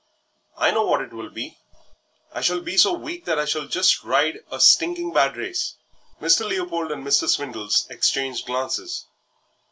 "I know what it will be; I shall be so weak that I shall just ride a stinking bad race." Mr. Leopold and Mr. Swindles exchanged glances.